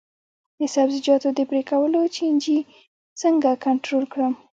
د سبزیجاتو د پرې کولو چینجي څنګه کنټرول کړم؟